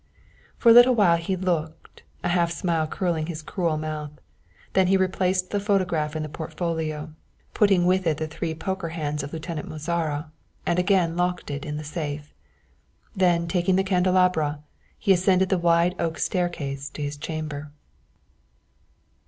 For a little while longer he looked, a half smile curling his cruel mouth, then he replaced the photograph in the portfolio, putting with it the three poker hands of Lieutenant Mozara, and again locked it in the safe. Then taking the candelabra, he ascended the wide oak staircase to his chamber.